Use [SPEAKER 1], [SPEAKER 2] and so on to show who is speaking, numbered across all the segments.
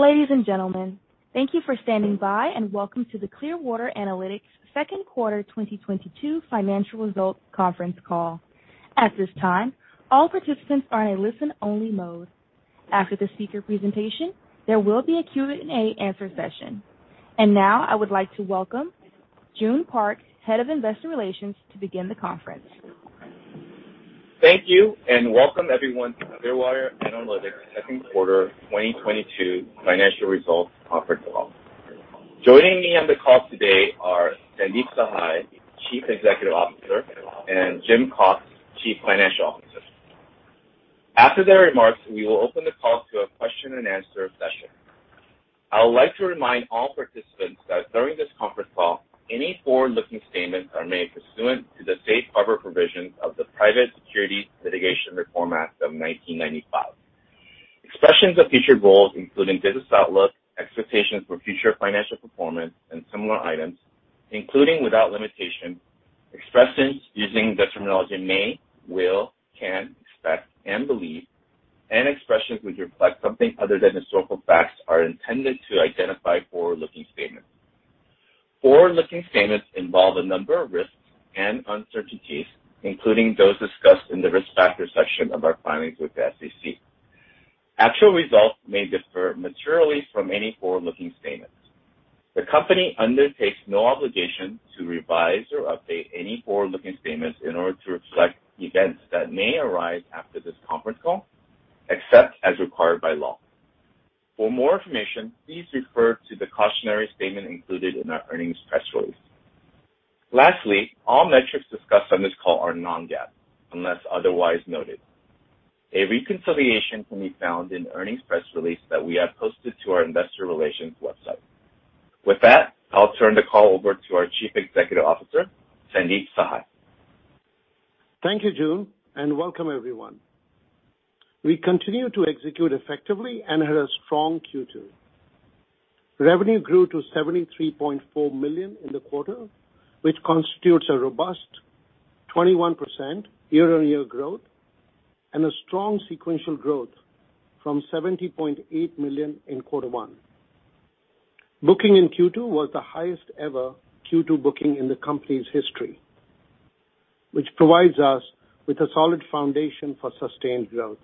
[SPEAKER 1] Ladies and gentlemen, thank you for standing by, and welcome to the Clearwater Analytics Q2 2022 financial results conference call. At this time, all participants are in a listen-only mode. After the speaker presentation, there will be a Q&A session. Now I would like to welcome Joon Park, Head of Investor Relations, to begin the conference.
[SPEAKER 2] Thank you, and welcome everyone to Clearwater Analytics Q2 2022 financial results conference call. Joining me on the call today are Sandeep Sahai, Chief Executive Officer, and Jim Cox, Chief Financial Officer. After their remarks, we will open the call to a question-and-answer session. I would like to remind all participants that during this conference call, any forward-looking statements are made pursuant to the safe harbor provisions of the Private Securities Litigation Reform Act of 1995. Expressions of future goals, including business outlook, expectations for future financial performance, and similar items, including without limitation, expressions using the terminology may, will, can, expect, and believe, and expressions which reflect something other than historical facts, are intended to identify forward-looking statements. Forward-looking statements involve a number of risks and uncertainties, including those discussed in the Risk Factors section of our filings with the SEC. Actual results may differ materially from any forward-looking statements. The company undertakes no obligation to revise or update any forward-looking statements in order to reflect events that may arise after this conference call, except as required by law. For more information, please refer to the cautionary statement included in our earnings press release. Lastly, all metrics discussed on this call are non-GAAP, unless otherwise noted. A reconciliation can be found in earnings press release that we have posted to our investor relations website. With that, I'll turn the call over to our Chief Executive Officer, Sandeep Sahai.
[SPEAKER 3] Thank you, Joon, and welcome everyone. We continue to execute effectively and had a strong Q2. Revenue grew to $73.4 million in the quarter, which constitutes a robust 21% year-on-year growth and a strong sequential growth from $70.8 million in Q1. Booking in Q2 was the highest ever Q2 booking in the company's history, which provides us with a solid foundation for sustained growth.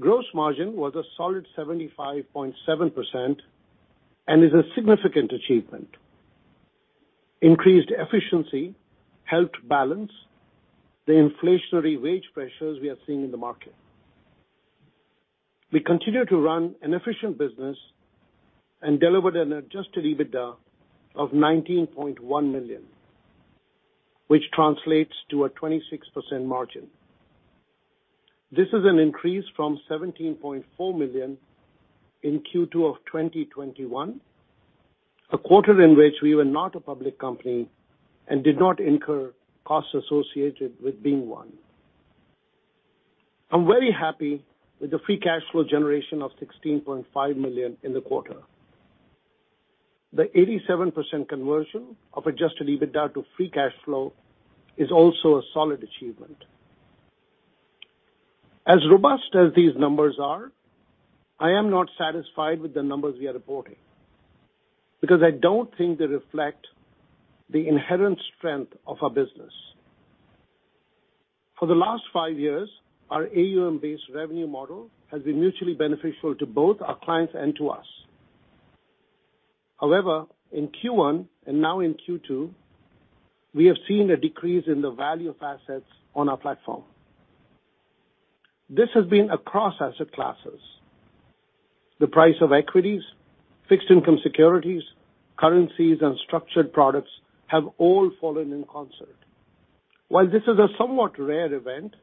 [SPEAKER 3] Gross margin was a solid 75.7% and is a significant achievement. Increased efficiency helped balance the inflationary wage pressures we are seeing in the market. We continue to run an efficient business and delivered an adjusted EBITDA of $19.1 million, which translates to a 26% margin. This is an increase from $17.4 million in Q2 of 2021, a quarter in which we were not a public company and did not incur costs associated with being one. I'm very happy with the free cash flow generation of $16.5 million in the quarter. The 87% conversion of adjusted EBITDA to free cash flow is also a solid achievement. As robust as these numbers are, I am not satisfied with the numbers we are reporting because I don't think they reflect the inherent strength of our business. For the last five years, our AUM-based revenue model has been mutually beneficial to both our clients and to us. However, in Q1, and now in Q2, we have seen a decrease in the value of assets on our platform. This has been across asset classes. The price of equities, fixed income securities, currencies, and structured products have all fallen in concert. While this is a somewhat rare event,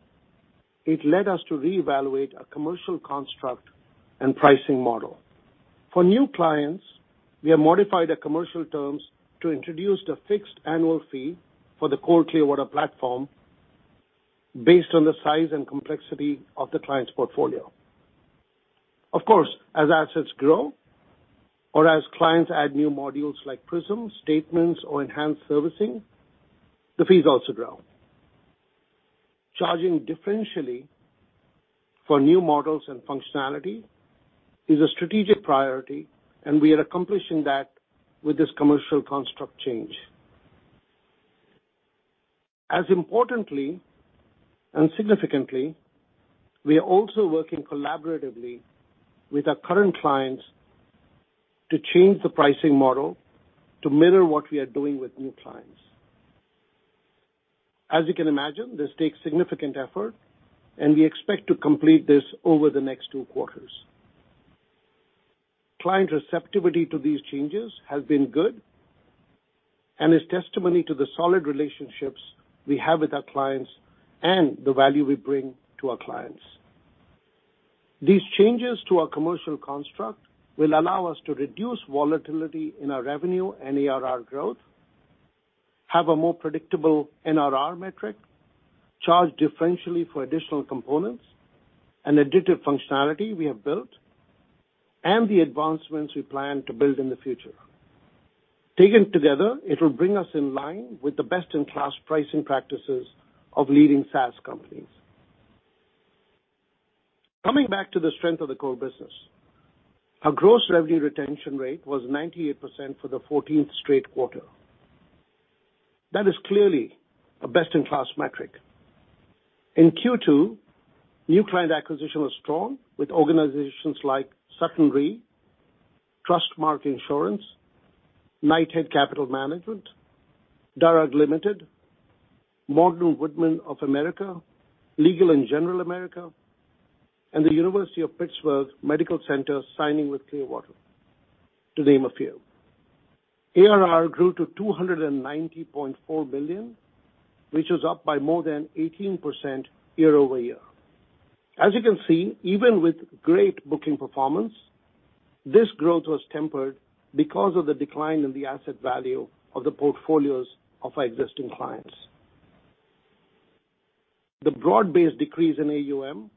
[SPEAKER 3] it led us to reevaluate our commercial construct and pricing model. For new clients, we have modified the commercial terms to introduce the fixed annual fee for the core Clearwater platform based on the size and complexity of the client's portfolio. Of course, as assets grow or as clients add new modules like Prism, Statements, or enhanced servicing, the fees also grow. Charging differentially for new models and functionality is a strategic priority, and we are accomplishing that with this commercial construct change. As importantly and significantly, we are also working collaboratively with our current clients to change the pricing model to mirror what we are doing with new clients. As you can imagine, this takes significant effort, and we expect to complete this over the next two quarters. Client receptivity to these changes has been good and is testimony to the solid relationships we have with our clients and the value we bring to our clients. These changes to our commercial construct will allow us to reduce volatility in our revenue and ARR growth, have a more predictable NRR metric, charge differentially for additional components and additive functionality we have built, and the advancements we plan to build in the future. Taken together, it will bring us in line with the best-in-class pricing practices of leading SaaS companies. Coming back to the strength of the core business, our gross revenue retention rate was 98% for the fourteenth straight quarter. That is clearly a best-in-class metric. In Q2, new client acquisition was strong, with organizations like Securian, Trustmark Insurance, Knighthead Capital Management, DARAG Limited, Modern Woodmen of America, Legal & General America, and the University of Pittsburgh Medical Center signing with Clearwater, to name a few. ARR grew to $290.4 billion, which was up by more than 18% year-over-year. As you can see, even with great booking performance, this growth was tempered because of the decline in the asset value of the portfolios of our existing clients. The broad-based decrease in AUM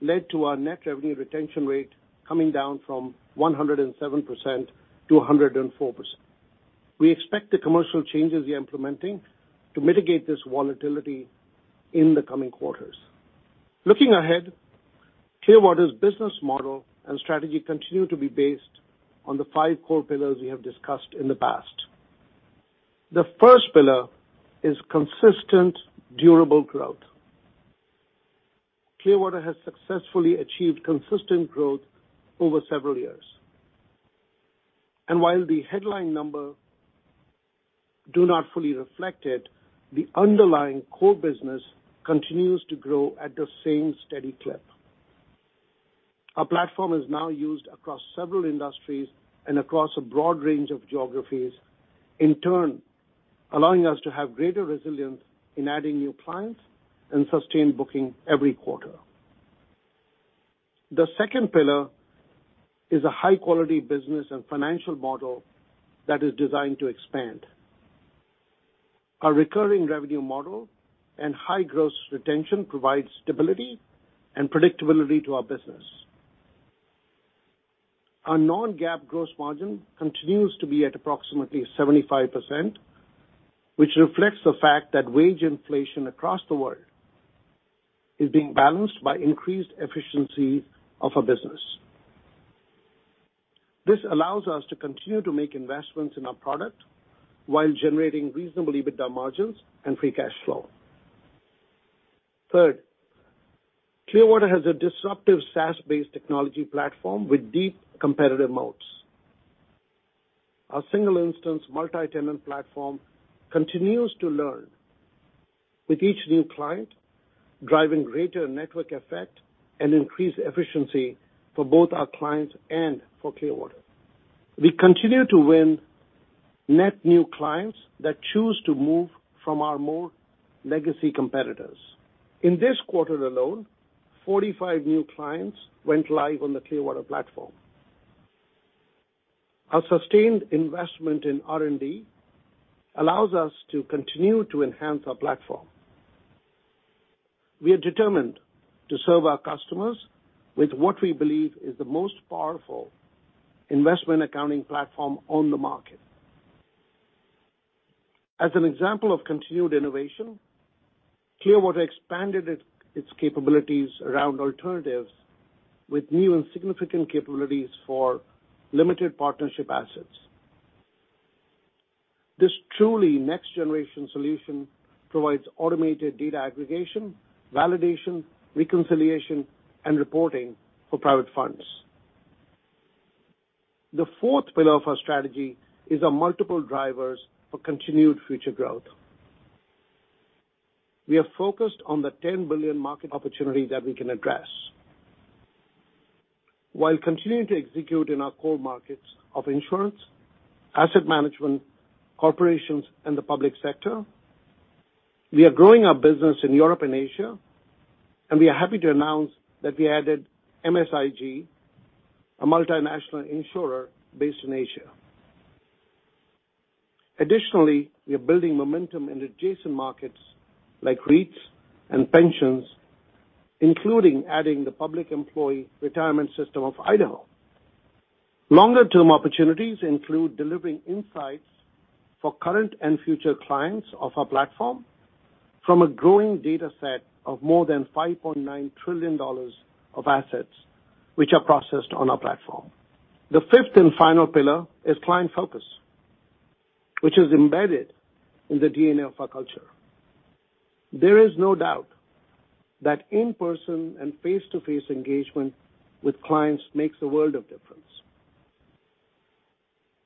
[SPEAKER 3] led to our net revenue retention rate coming down from 107% to 104%. We expect the commercial changes we are implementing to mitigate this volatility in the coming quarters. Looking ahead, Clearwater's business model and strategy continue to be based on the five core pillars we have discussed in the past. The first pillar is consistent, durable growth. Clearwater has successfully achieved consistent growth over several years. While the headline numbers do not fully reflect it, the underlying core business continues to grow at the same steady clip. Our platform is now used across several industries and across a broad range of geographies, in turn, allowing us to have greater resilience in adding new clients and sustained booking every quarter. The second pillar is a high-quality business and financial model that is designed to expand. Our recurring revenue model and high gross retention provide stability and predictability to our business. Our non-GAAP gross margin continues to be at approximately 75%, which reflects the fact that wage inflation across the world is being balanced by increased efficiency of our business. This allows us to continue to make investments in our product while generating reasonable EBITDA margins and free cash flow. Third, Clearwater has a disruptive SaaS-based technology platform with deep competitive moats. Our single-instance multi-tenant platform continues to learn with each new client, driving greater network effect and increased efficiency for both our clients and for Clearwater. We continue to win net new clients that choose to move from our more legacy competitors. In this quarter alone, 45 new clients went live on the Clearwater platform. Our sustained investment in R&D allows us to continue to enhance our platform. We are determined to serve our customers with what we believe is the most powerful investment accounting platform on the market. As an example of continued innovation, Clearwater expanded its capabilities around alternatives with new and significant capabilities for limited partnership assets. This truly next-generation solution provides automated data aggregation, validation, reconciliation, and reporting for private funds. The fourth pillar of our strategy is our multiple drivers for continued future growth. We are focused on the $10 billion market opportunity that we can address. While continuing to execute in our core markets of insurance, asset management, corporations, and the public sector, we are growing our business in Europe and Asia, and we are happy to announce that we added MSIG, a multinational insurer based in Asia. Additionally, we are building momentum in adjacent markets like REITs and pensions, including adding the Public Employee Retirement System of Idaho. Longer-term opportunities include delivering insights for current and future clients of our platform from a growing data set of more than $5.9 trillion of assets which are processed on our platform. The fifth and final pillar is client focus, which is embedded in the DNA of our culture. There is no doubt that in-person and face-to-face engagement with clients makes a world of difference.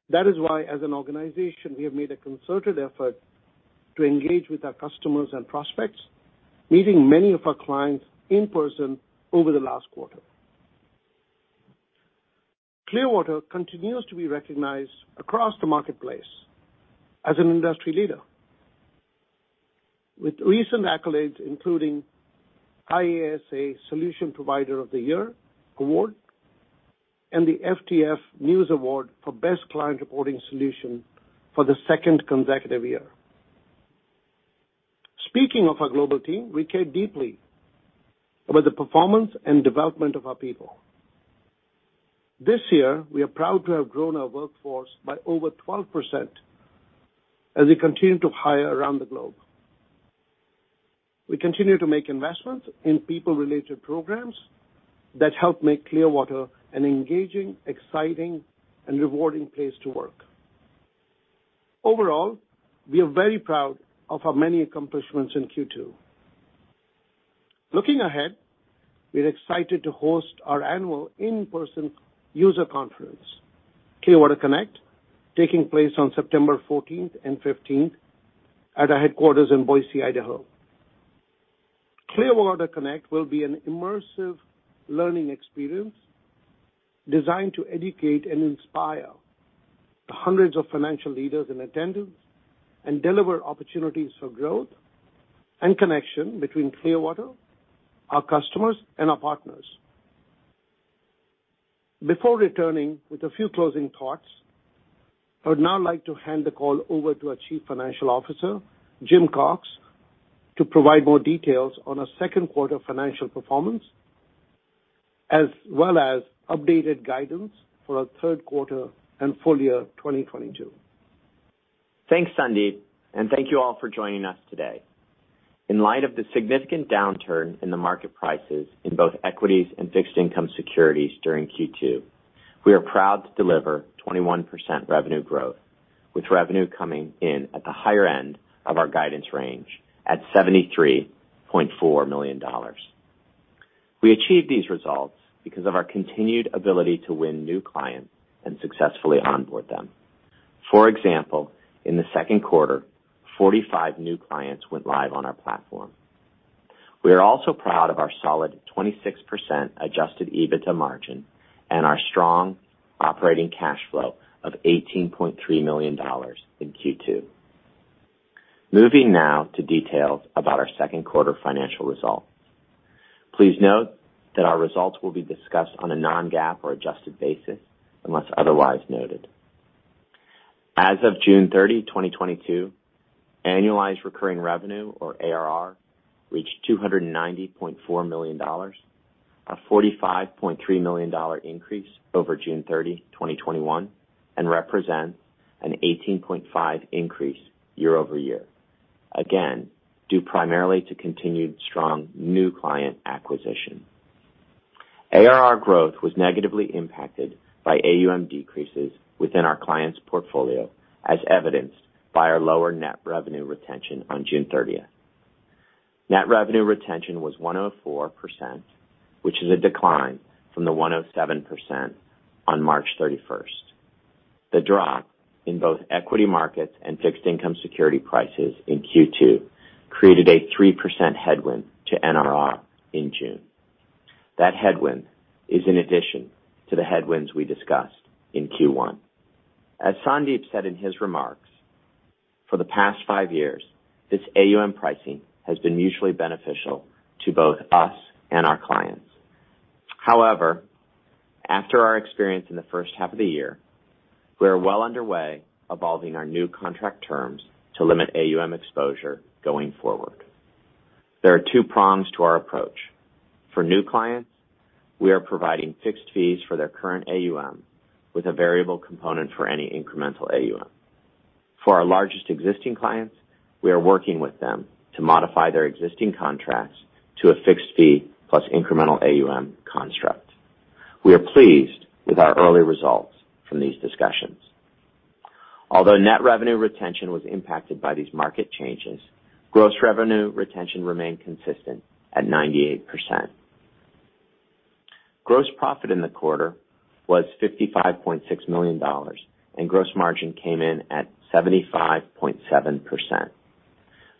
[SPEAKER 3] That is why, as an organization, we have made a concerted effort to engage with our customers and prospects, meeting many of our clients in person over the last quarter. Clearwater continues to be recognized across the marketplace as an industry leader, with recent accolades including IASA Solution Provider of the Year award and the FTF News Award for Best Client Reporting Solution for the second consecutive year. Speaking of our global team, we care deeply about the performance and development of our people. This year, we are proud to have grown our workforce by over 12% as we continue to hire around the globe. We continue to make investments in people-related programs that help make Clearwater an engaging, exciting, and rewarding place to work. Overall, we are very proud of our many accomplishments in Q2. Looking ahead, we're excited to host our annual in-person user conference, Clearwater Connect, taking place on September fourteenth and fifteenth at our headquarters in Boise, Idaho. Clearwater Connect will be an immersive learning experience designed to educate and inspire the hundreds of financial leaders in attendance and deliver opportunities for growth and connection between Clearwater, our customers, and our partners. Before returning with a few closing thoughts, I would now like to hand the call over to our Chief Financial Officer, Jim Cox, to provide more details on our Q2 financial performance, as well as updated guidance for our Q3 and full year 2022.
[SPEAKER 4] Thanks, Sandeep, and thank you all for joining us today. In light of the significant downturn in the market prices in both equities and fixed income securities during Q2, we are proud to deliver 21% revenue growth, with revenue coming in at the higher end of our guidance range at $73.4 million. We achieved these results because of our continued ability to win new clients and successfully onboard them. For example, in Q2, 45 new clients went live on our platform. We are also proud of our solid 26% adjusted EBITDA margin and our strong operating cash flow of $18.3 million in Q2. Moving now to details about our Q2 financial results. Please note that our results will be discussed on a non-GAAP or adjusted basis unless otherwise noted. As of June 30th, 2022, annualized recurring revenue, or ARR, reached $290.4 million, a $45.3 million increase over June 30th, 2021, and represents an 18.5% increase year-over-year, again, due primarily to continued strong new client acquisition. ARR growth was negatively impacted by AUM decreases within our clients' portfolio, as evidenced by our lower net revenue retention on June 30th. Net revenue retention was 104%, which is a decline from the 107% on March 31st. The drop in both equity markets and fixed income security prices in Q2 created a 3% headwind to NRR in June. That headwind is in addition to the headwinds we discussed in Q1. As Sandeep said in his remarks, for the past five years, this AUM pricing has been mutually beneficial to both us and our clients. However, after our experience in the first half of the year, we are well underway evolving our new contract terms to limit AUM exposure going forward. There are two prongs to our approach. For new clients, we are providing fixed fees for their current AUM with a variable component for any incremental AUM. For our largest existing clients, we are working with them to modify their existing contracts to a fixed fee plus incremental AUM construct. We are pleased with our early results from these discussions. Although net revenue retention was impacted by these market changes, gross revenue retention remained consistent at 98%. Gross profit in the quarter was $55.6 million, and gross margin came in at 75.7%.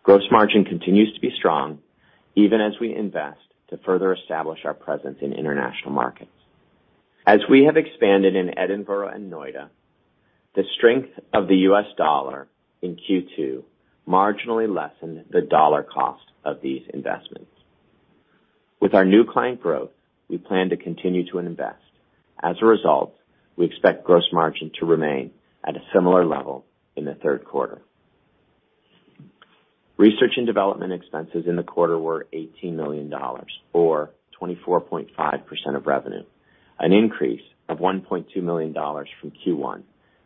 [SPEAKER 4] Gross margin continues to be strong even as we invest to further establish our presence in international markets. As we have expanded in Edinburgh and Noida, the strength of the US dollar in Q2 marginally lessened the dollar cost of these investments. With our new client growth, we plan to continue to invest. As a result, we expect gross margin to remain at a similar level in Q3. Research and development expenses in the quarter were $18 million or 24.5% of revenue, an increase of $1.2 million from Q1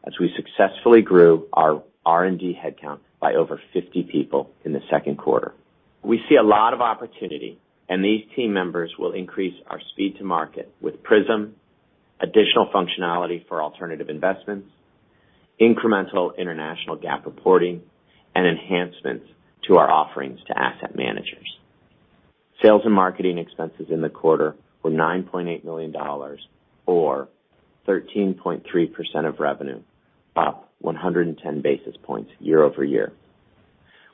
[SPEAKER 4] as we successfully grew our R&D headcount by over 50 people in Q2. We see a lot of opportunity, and these team members will increase our speed to market with Prism, additional functionality for alternative investments, incremental international GAAP reporting, and enhancements to our offerings to asset managers. Sales and marketing expenses in the quarter were $9.8 million or 13.3% of revenue, up 110 basis points year-over-year.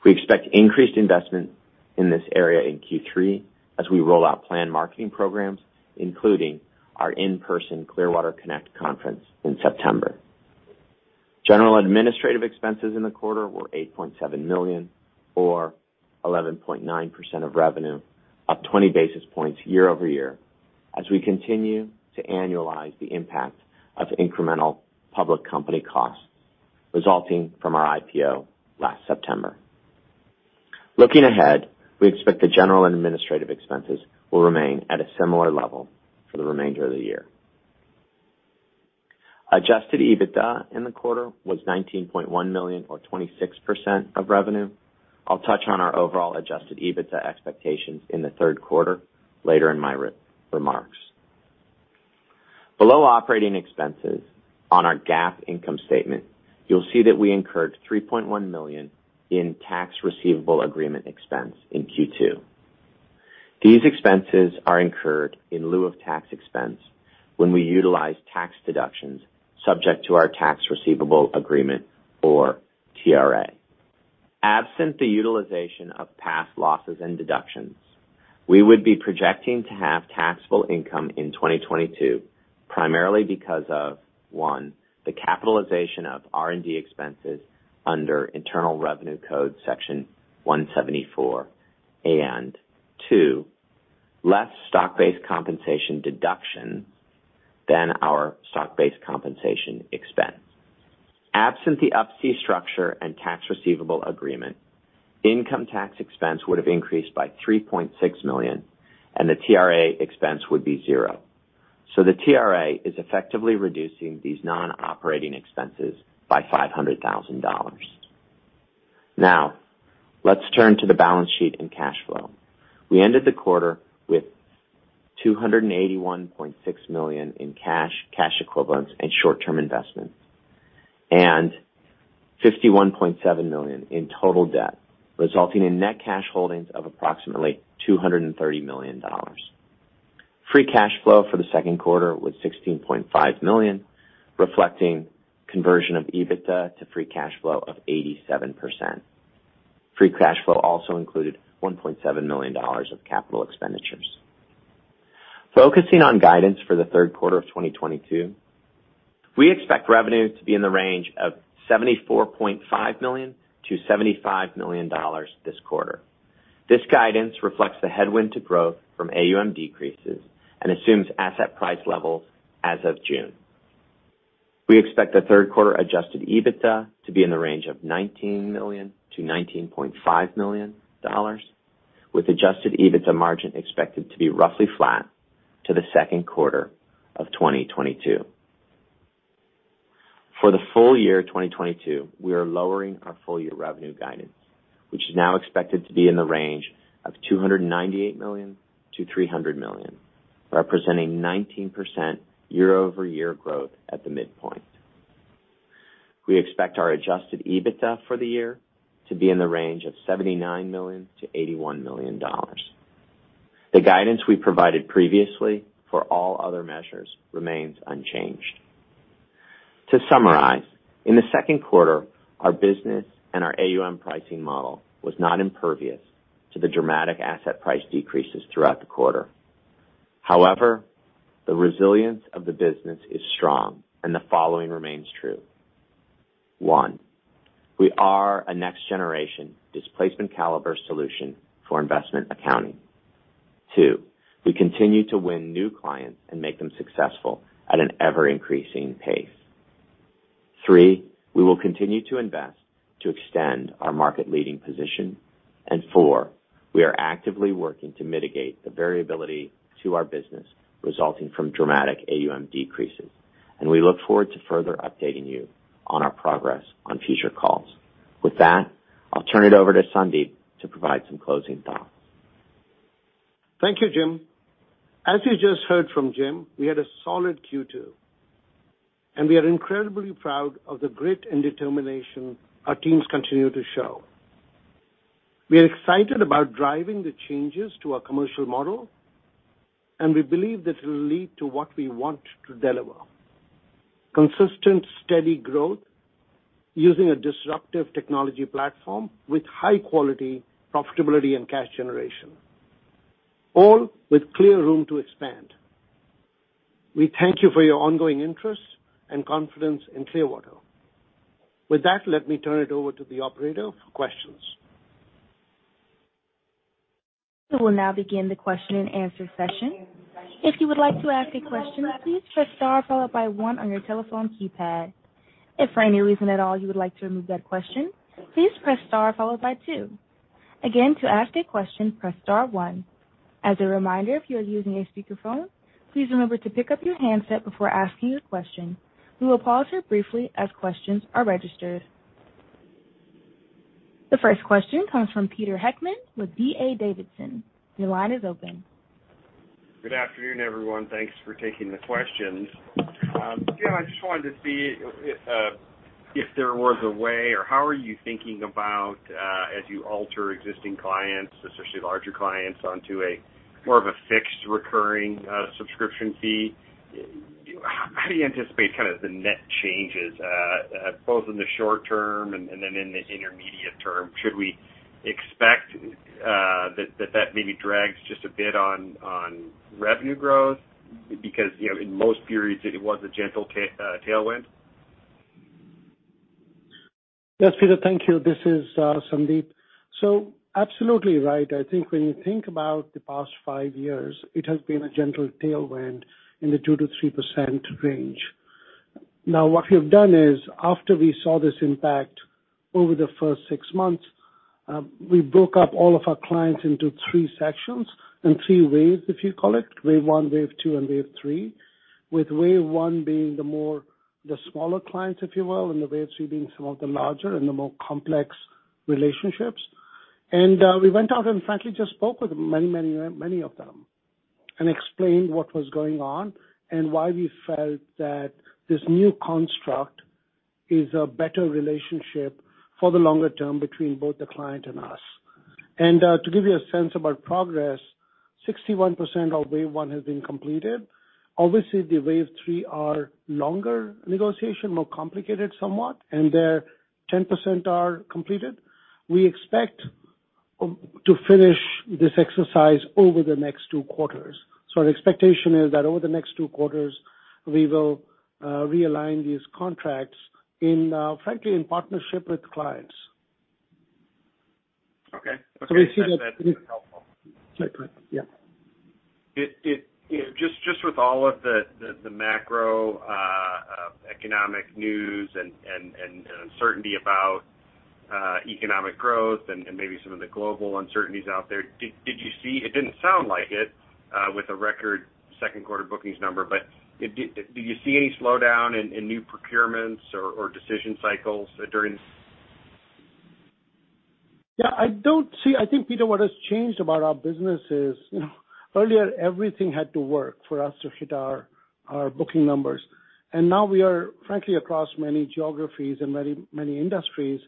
[SPEAKER 4] We expect increased investment in this area in Q3 as we roll out planned marketing programs, including our in-person Clearwater Connect conference in September. General administrative expenses in the quarter were $8.7 million or 11.9% of revenue, up 20 basis points year-over-year. We continue to annualize the impact of incremental public company costs resulting from our IPO last September. Looking ahead, we expect the general and administrative expenses will remain at a similar level for the remainder of the year. Adjusted EBITDA in the quarter was $19.1 million or 26% of revenue. I'll touch on our overall adjusted EBITDA expectations in Q3 later in my remarks. Below operating expenses on our GAAP income statement, you'll see that we incurred $3.1 million in tax receivable agreement expense in Q2. These expenses are incurred in lieu of tax expense when we utilize tax deductions subject to our tax receivable agreement or TRA. Absent the utilization of past losses and deductions, we would be projecting to have taxable income in 2022, primarily because of, one, the capitalization of R&D expenses under Internal Revenue Code Section 174, and two, less stock-based compensation deduction than our stock-based compensation expense. Absent the Up-C structure and tax receivable agreement, income tax expense would have increased by $3.6 million, and the TRA expense would be zero. The TRA is effectively reducing these non-operating expenses by $500,000. Now, let's turn to the balance sheet and cash flow. We ended the quarter with $281.6 million in cash equivalents, and short-term investments, and $51.7 million in total debt, resulting in net cash holdings of approximately $230 million. Free cash flow for Q2 was $16.5 million, reflecting conversion of EBITDA to free cash flow of 87%. Free cash flow also included $1.7 million of capital expenditures. Focusing on guidance for Q3 of 2022, we expect revenue to be in the range of $74.5 million-$75 million this quarter. This guidance reflects the headwind to growth from AUM decreases and assumes asset price levels as of June. We expect Q3 adjusted EBITDA to be in the range of $19 million-$19.5 million, with adjusted EBITDA margin expected to be roughly flat to Q2 of 2022. For the full year 2022, we are lowering our full-year revenue guidance, which is now expected to be in the range of $298 million-$300 million, representing 19% year-over-year growth at the midpoint. We expect our adjusted EBITDA for the year to be in the range of $79 million-$81 million. The guidance we provided previously for all other measures remains unchanged. To summarize, in Q2, our business and our AUM pricing model was not impervious to the dramatic asset price decreases throughout the quarter. However, the resilience of the business is strong and the following remains true. One, we are a next-generation displacement caliber solution for investment accounting. Two, we continue to win new clients and make them successful at an ever-increasing pace. Three, we will continue to invest to extend our market-leading position. Four, we are actively working to mitigate the variability to our business resulting from dramatic AUM decreases. We look forward to further updating you on our progress on future calls. With that, I'll turn it over to Sandeep to provide some closing thoughts.
[SPEAKER 3] Thank you, Jim. As you just heard from Jim, we had a solid Q2, and we are incredibly proud of the grit and determination our teams continue to show. We are excited about driving the changes to our commercial model, and we believe that it will lead to what we want to deliver. Consistent, steady growth using a disruptive technology platform with high quality, profitability, and cash generation, all with clear room to expand. We thank you for your ongoing interest and confidence in Clearwater. With that, let me turn it over to the operator for questions.
[SPEAKER 1] We will now begin the question-and-answer session. If you would like to ask a question, please press star followed by one on your telephone keypad. If for any reason at all you would like to remove that question, please press star followed by two. Again, to ask a question, press star one. As a reminder, if you are using a speakerphone, please remember to pick up your handset before asking your question. We will pause here briefly as questions are registered. The first question comes from Pete Heckmann with D.A. Davidson. Your line is open.
[SPEAKER 5] Good afternoon, everyone. Thanks for taking the questions. Jim, I just wanted to see if there was a way or how are you thinking about as you alter existing clients, especially larger clients, onto a more of a fixed recurring subscription fee, how do you anticipate the net changes both in the short term and then in the intermediate term? Should we expect that maybe drags just a bit on revenue growth? Because, in most periods it was a gentle tailwind.
[SPEAKER 3] Yes, Pete, thank you. This is Sandeep. Absolutely right. I think when you think about the past five years, it has been a gentle tailwind in the 2%-3% range. Now, what we have done is after we saw this impact over the first six months, we broke up all of our clients into three sections and three waves, if you call it. Wave 1, Wave 2, and Wave 3, with Wave 1 being the smaller clients, if you will, and Wave 3 being some of the larger and the more complex relationships. We went out and frankly just spoke with many of them and explained what was going on and why we felt that this new construct is a better relationship for the longer term between both the client and us. To give you a sense of our progress, 61% of Wave 1 has been completed. Obviously, the Wave 3 are longer negotiation, more complicated somewhat, and they're 10% completed. We expect to finish this exercise over the next two quarters. Our expectation is that over the next two quarters, we will realign these contracts, frankly, in partnership with clients.
[SPEAKER 5] Okay. That's helpful.
[SPEAKER 3] Right. Yes.
[SPEAKER 5] Just with all of the macroeconomic news and uncertainty about economic growth and maybe some of the global uncertainties out there. It didn't sound like it with a record Q2 bookings number, but do you see any slowdown in new procurements or decision cycles during this?
[SPEAKER 3] I think, Pete, what has changed about our business is, earlier, everything had to work for us to hit our booking numbers. Now we are frankly across many geographies and many industries.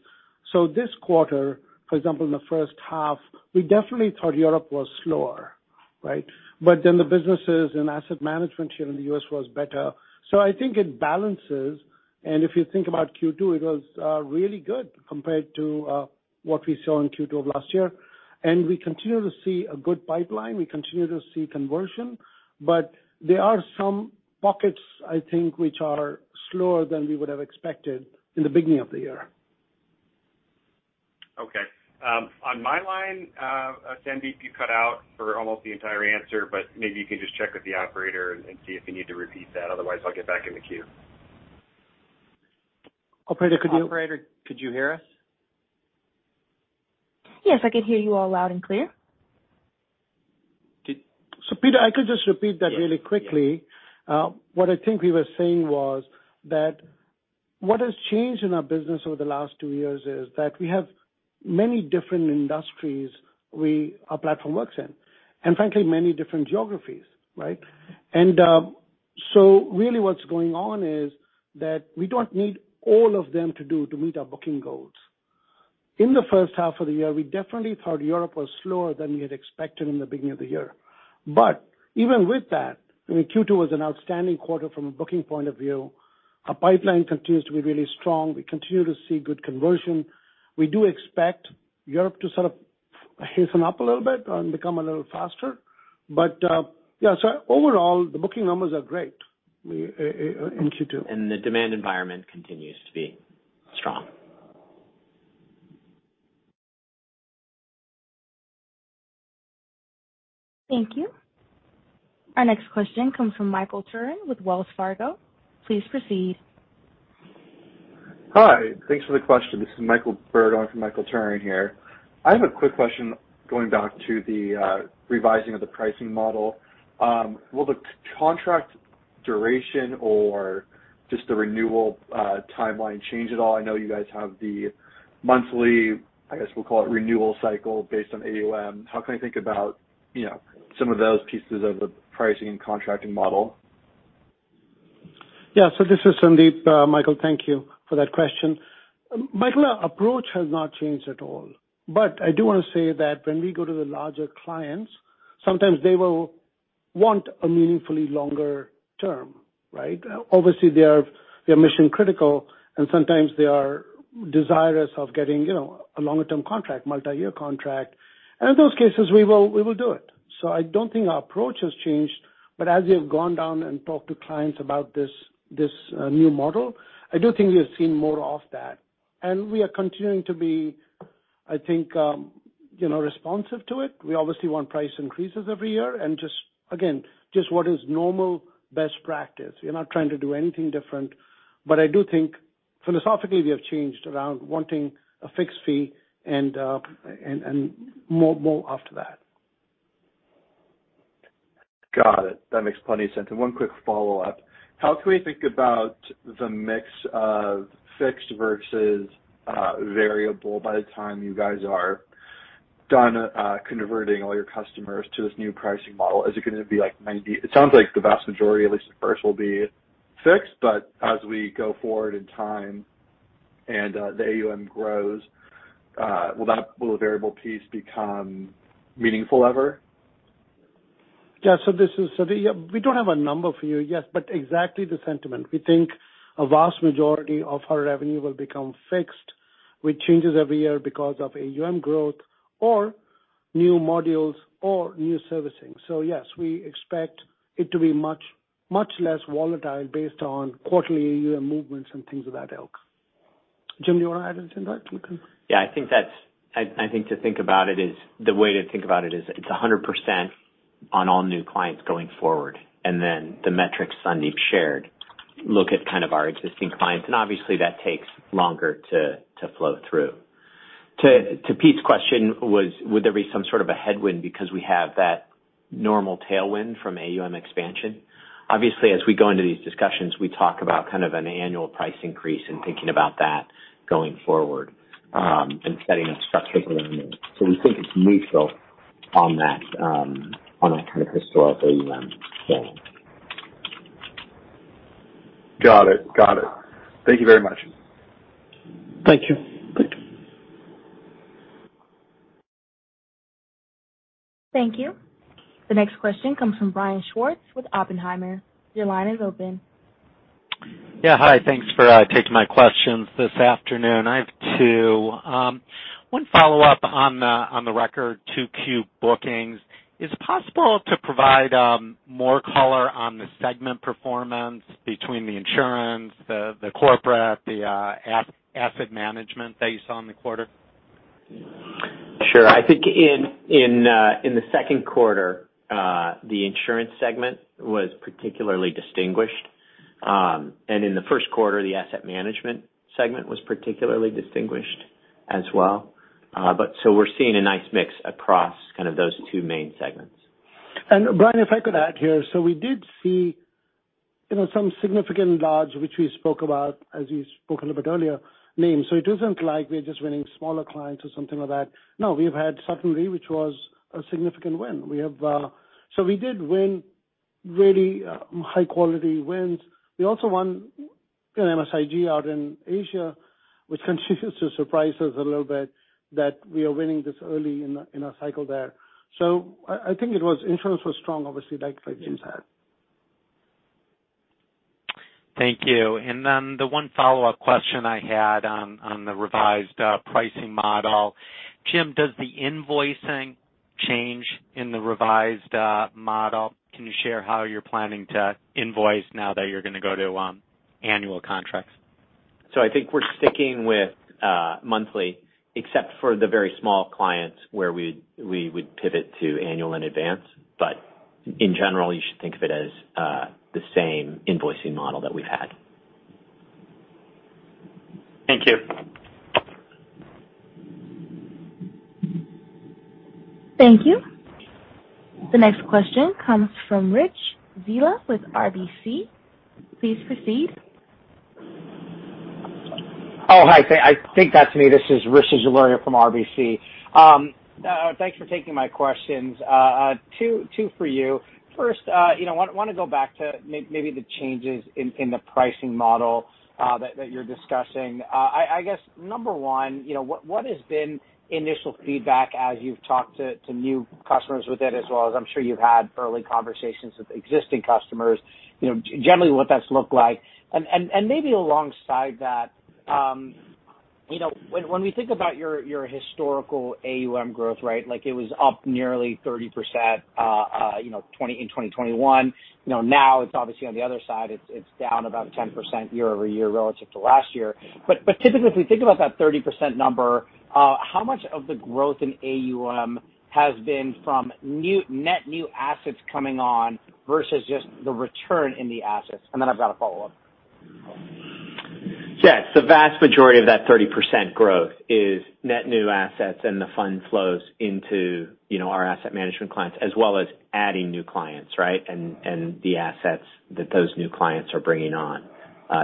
[SPEAKER 3] This quarter, for example, in the first half, we definitely thought Europe was slower, right? Then the businesses and asset management here in the US was better. I think it balances. If you think about Q2, it was really good compared to what we saw in Q2 of last year. We continue to see a good pipeline. We continue to see conversion. There are some pockets which are slower than we would have expected in the beginning of the year.
[SPEAKER 5] Okay. On my line, Sandeep, you cut out for almost the entire answer, but maybe you can just check with the operator and see if you need to repeat that. Otherwise, I'll get back in the queue.
[SPEAKER 3] Operator.
[SPEAKER 4] Operator, could you hear us?
[SPEAKER 1] Yes, I could hear you all loud and clear.
[SPEAKER 3] Pete, I could just repeat that really quickly. What I think we were saying was that what has changed in our business over the last two years is that we have many different industries our platform works in, and frankly, many different geographies. Really what's going on is that we don't need all of them to do to meet our booking goals. In the first half of the year, we definitely thought Europe was slower than we had expected in the beginning of the year. Even with that, Q2 was an outstanding quarter from a booking point of view. Our pipeline continues to be really strong. We continue to see good conversion. We do expect Europe to hasten up a little bit and become a little faster. Overall, the booking numbers are great in Q2.
[SPEAKER 4] The demand environment continues to be strong.
[SPEAKER 1] Thank you. Our next question comes from Michael Turrin with Wells Fargo. Please proceed.
[SPEAKER 6] Hi. Thanks for the question. This is Michael Byrd on for Michael Turrin here. I have a quick question going back to the revising of the pricing model. Will the contract duration or just the renewal timeline change at all? I know you guys have the monthly, I guess we'll call it renewal cycle based on AUM. How can I think about some of those pieces of the pricing and contracting model?
[SPEAKER 3] Yes. This is Sandeep. Michael, thank you for that question. Michael, our approach has not changed at all, but I do want to say that when we go to the larger clients, sometimes they will want a meaningfully longer term. Obviously, they are mission-critical, and sometimes they are desirous of getting a longer-term contract, multi-year contract. In those cases, we will do it. I don't think our approach has changed. As we have gone down and talked to clients about this new model, I do think we have seen more of that. We are continuing to be responsive to it. We obviously want price increases every year and just, again, what is normal best practice. We're not trying to do anything different. I do think philosophically, we have changed around wanting a fixed fee and more after that.
[SPEAKER 6] Got it. That makes plenty of sense. One quick follow-up. How can we think about the mix of fixed versus variable by the time you guys are done converting all your customers to this new pricing model? Is it going to be like... It sounds like the vast majority, at least at first, will be fixed. As we go forward in time and the AUM grows, will the variable piece become meaningful ever?
[SPEAKER 3] Yes. This is Sandeep. We don't have a number for you yet, but exactly the sentiment. We think a vast majority of our revenue will become fixed, which changes every year because of AUM growth or new modules or new servicing. Yes, we expect it to be much less volatile based on quarterly AUM movements and things of that ilk. Jim, you want to add anything to that?
[SPEAKER 4] Yes, I think the way to think about it is it's 100% on all new clients going forward. Then the metrics Sandeep shared look at our existing clients, and obviously that takes longer to flow through. To Pete's question, would there be some a headwind because we have that normal tailwind from AUM expansion? Obviously, as we go into these discussions, we talk about an annual price increase in thinking about that going forward, and setting a structural element. We think it's neutral on that historical AUM gain.
[SPEAKER 6] Got it. Thank you very much.
[SPEAKER 3] Thank you.
[SPEAKER 1] Thank you. The next question comes from Brian Schwartz with Oppenheimer. Your line is open.
[SPEAKER 7] Yes, hi. Thanks for taking my questions this afternoon. I have two. One follow-up on the record Q2 bookings. Is it possible to provide more color on the segment performance between the insurance, the corporate, and the asset management that you saw in the quarter?
[SPEAKER 4] Sure. I think in Q2, the insurance segment was particularly distinguished. In Q1, the asset management segment was particularly distinguished as well. We're seeing a nice mix across those two main segments.
[SPEAKER 3] Brian, if I could add here. We did see some significant large, which we spoke about as we spoke a little bit earlier names. It isn't like we're just winning smaller clients or something like that. No, we have had Securian, which was a significant win. We did win really high quality wins. We also won MSIG out in Asia, which continues to surprise us a little bit that we are winning this early in a cycle there. I think it was insurance was strong, obviously, like Jim said.
[SPEAKER 7] Thank you. The one follow-up question I had on the revised pricing model. Jim, does the invoicing change in the revised model? Can you share how you're planning to invoice now that you're going to go to annual contracts?
[SPEAKER 4] I think we're sticking with monthly, except for the very small clients where we'd pivot to annual in advance. In general, you should think of it as the same invoicing model that we've had.
[SPEAKER 7] Thank you.
[SPEAKER 1] Thank you. The next question comes from Rishi Jaluria with RBC. Please proceed.
[SPEAKER 8] Hi. I think that's me. This is Rishi Jaluria from RBC. Thanks for taking my questions. Two for you. First, want to go back to maybe the changes in the pricing model that you're discussing. Number one, what has been initial feedback as you've talked to new customers with it, as well as I'm sure you've had early conversations with existing customers, generally what that's looked like. Maybe alongside that, when we think about your historical AUM growth rate, like it was up nearly 30%, in 2021. Now it's obviously on the other side, it's down about 10% year-over-year relative to last year. Typically, if we think about that 30% number, how much of the growth in AUM has been from net new assets coming on versus just the return in the assets? Then I've got a follow-up.
[SPEAKER 4] Yes. The vast majority of that 30% growth is net new assets and the fund flows into, our asset management clients, as well as adding new clients, right? The assets that those new clients are bringing on.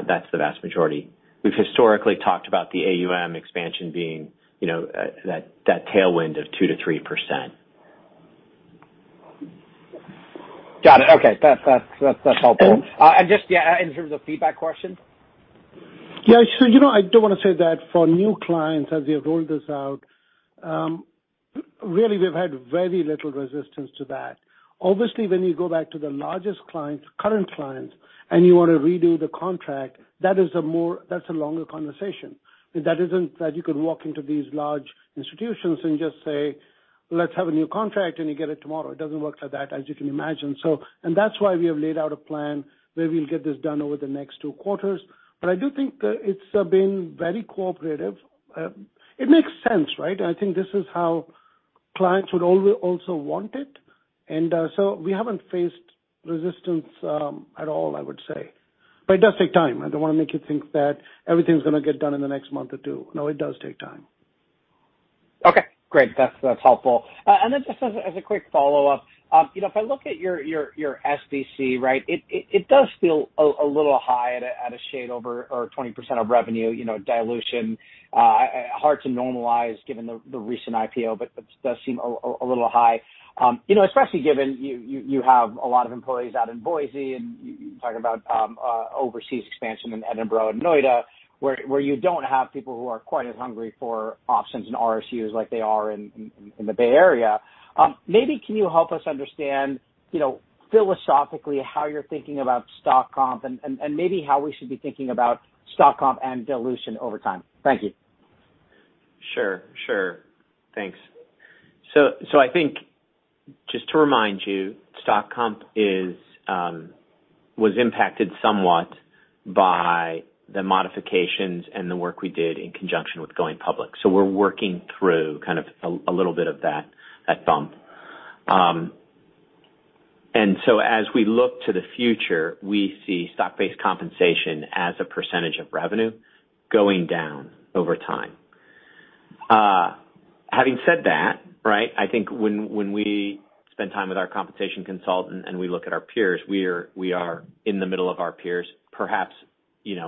[SPEAKER 4] That's the vast majority. We've historically talked about the AUM expansion being that tailwind of 2%-3%.
[SPEAKER 8] Got it. Okay. That's helpful. Just in terms of feedback question.
[SPEAKER 3] Yes. I do want to say that for new clients, as we have rolled this out, really, we've had very little resistance to that. Obviously, when you go back to the largest clients, current clients, and you want to redo the contract, that's a longer conversation. That isn't that you could walk into these large institutions and just say, "Let's have a new contract," and you get it tomorrow. It doesn't work like that, as you can imagine. That's why we have laid out a plan where we'll get this done over the next two quarters. I do think that it's been very cooperative. It makes sense, right? I think this is how clients would also want it. We haven't faced resistance at all, I would say. It does take time. I don't want to make you think that everything's going to get done in the next month or two. No, it does take time.
[SPEAKER 8] Okay, great. That's helpful. Just as a quick follow-up. if I look at your SBC, it does feel a little high at a shade over 20% of revenue dilution. Hard to normalize given the recent IPO, but does seem a little high. Especially given you have a lot of employees out in Boise and you talking about overseas expansion in Edinburgh and Noida, where you don't have people who are quite as hungry for options and RSUs like they are in the Bay Area. Maybe can you help us understand, philosophically, how you're thinking about stock comp and maybe how we should be thinking about stock comp and dilution over time? Thank you.
[SPEAKER 4] Sure. Thanks. I think just to remind you, stock comp was impacted somewhat by the modifications and the work we did in conjunction with going public. We're working through a little bit of that bump. As we look to the future, we see stock-based compensation as a percentage of revenue going down over time. Having said that, I think when we spend time with our compensation consultant and we look at our peers, we are in the middle of our peers, perhaps in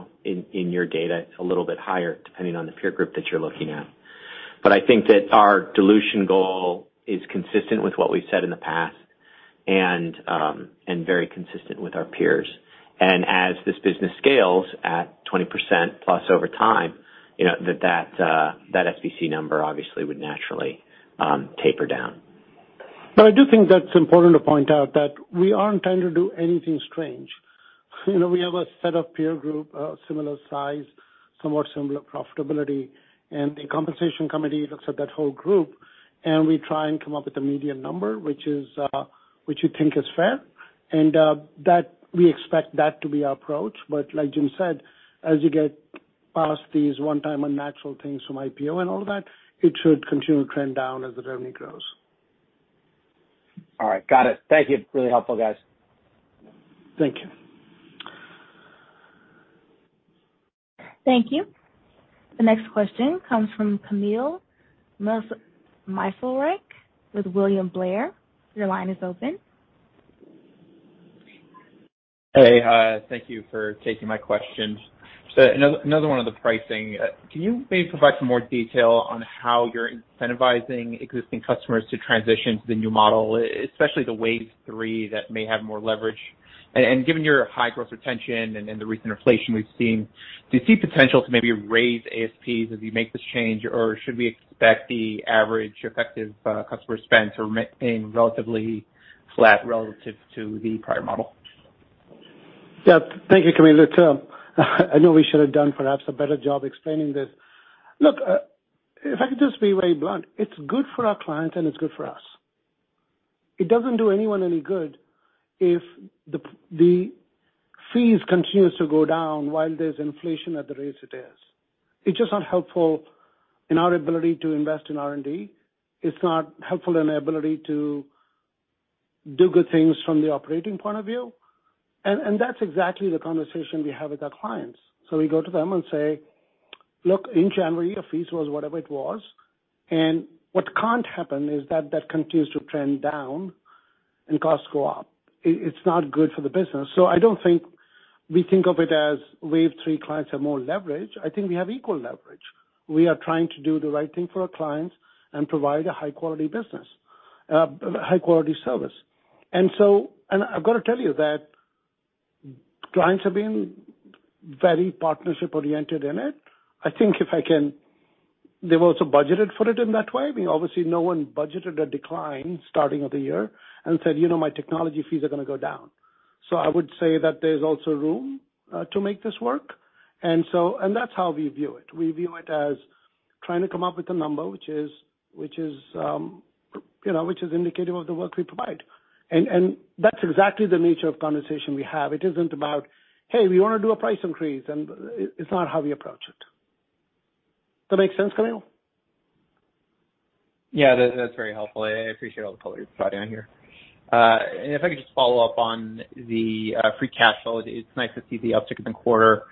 [SPEAKER 4] your data, it's a little bit higher depending on the peer group that you're looking at. I think that our dilution goal is consistent with what we've said in the past and very consistent with our peers. As this business scales at 20%+ over time, that SBC number obviously would naturally taper down.
[SPEAKER 3] I do think that's important to point out that we aren't trying to do anything strange. We have a set of peer group of similar size, somewhat similar profitability, and the compensation committee looks at that whole group, and we try and come up with a median number, which we think is fair, and that we expect that to be our approach. Like Jim said, as you get past these one-time unnatural things from IPO and all that, it should continue to trend down as the revenue grows.
[SPEAKER 8] All right, got it. Thank you. Really helpful, guys.
[SPEAKER 3] Thank you.
[SPEAKER 1] Thank you. The next question comes from Kamil Mielczarek with William Blair. Your line is open.
[SPEAKER 9] Hey, thank you for taking my questions. Another one on the pricing. Can you maybe provide some more detail on how you're incentivizing existing customers to transition to the new model, especially the Wave 3 that may have more leverage? Given your high growth retention and then the recent inflation we've seen, do you see potential to maybe raise ASPs as you make this change, or should we expect the average effective customer spend to remain relatively flat relative to the prior model?
[SPEAKER 3] Yes. Thank you, Kamil. Look, I know we should have done perhaps a better job explaining this. Look, if I could just be very blunt, it's good for our clients, and it's good for us. It doesn't do anyone any good if the fees continues to go down while there's inflation at the rates it is. It's just not helpful in our ability to invest in R&D. It's not helpful in our ability to do good things from the operating point of view. That's exactly the conversation we have with our clients. We go to them and say, "Look, in January, your fees was whatever it was, and what can't happen is that continues to trend down and costs go up. It's not good for the business. I don't think we think of it as Wave 3 clients have more leverage. I think we have equal leverage. We are trying to do the right thing for our clients and provide a high-quality business, and high-quality service. I've got to tell you that clients have been very partnership-oriented in it. They've also budgeted for it in that way. Obviously, no one budgeted a decline at the start of the year and said, "You know, my technology fees are going to go down." I would say that there's also room to make this work. That's how we view it. We view it as trying to come up with a number which is indicative of the work we provide. That's exactly the nature of conversation we have. It isn't about, "Hey, we want to do a price increase," and it's not how we approach it. That make sense, Kamil?
[SPEAKER 9] Yes, that's very helpful. I appreciate all the color you're providing on here. If I could just follow up on the free cash flow, it's nice to see the uptick in the quarter.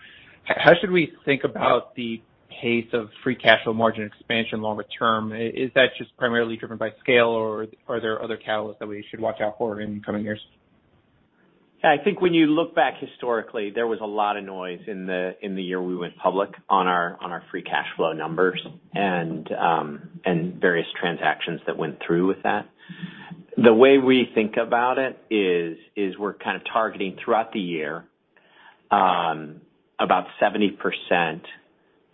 [SPEAKER 9] How should we think about the pace of free cash flow margin expansion longer-term? Is that just primarily driven by scale, or are there other catalysts that we should watch out for in coming years?
[SPEAKER 4] Yes, I think when you look back historically, there was a lot of noise in the year we went public on our free cash flow numbers and various transactions that went through with that. The way we think about it is we're targeting throughout the year about 70%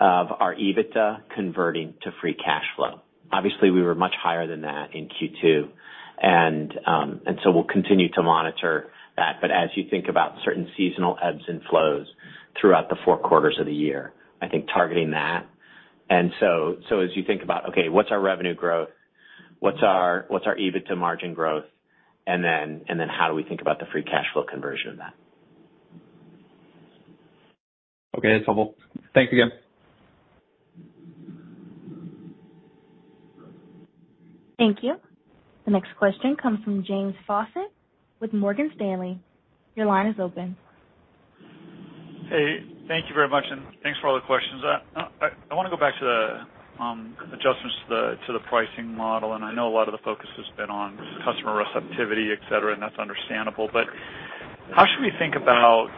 [SPEAKER 4] of our EBITDA converting to free cash flow. Obviously, we were much higher than that in Q2, and so we'll continue to monitor that, but as you think about certain seasonal ebbs and flows throughout the four quarters of the year, I think targeting that. As you think about, okay, what's our revenue growth? What's our EBITDA margin growth? Then how do we think about the free cash flow conversion of that?
[SPEAKER 9] Okay, that's helpful. Thanks again.
[SPEAKER 1] Thank you. The next question comes from James Faucette with Morgan Stanley. Your line is open.
[SPEAKER 10] Hey, thank you very much, and thanks for all the questions. I want to go back to the adjustments to the pricing model, and I know a lot of the focus has been on customer receptivity, etc., and that's understandable. How should we think about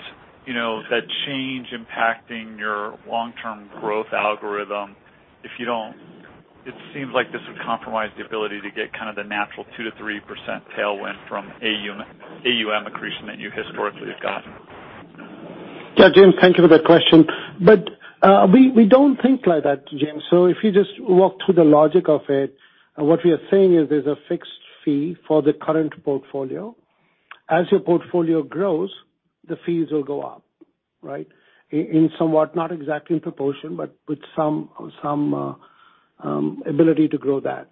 [SPEAKER 10] that change impacting your long-term growth algorithm? It seems like this would compromise the ability to get the natural 2%-3% tailwind from AUM accretion that you historically have gotten.
[SPEAKER 3] Yes, James, thank you for that question. We don't think like that, James. If you just walk through the logic of it, what we are saying is there's a fixed fee for the current portfolio. As your portfolio grows, the fees will go up in somewhat not exactly in proportion, but with some ability to grow that.